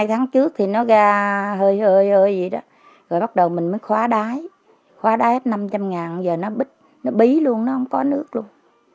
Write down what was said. hai tháng trước thì nó ra hơi hơi hơi vậy đó rồi bắt đầu mình mới khóa đáy khóa đáy hết năm trăm linh ngàn giờ nó bít nó bí luôn nó không có nước luôn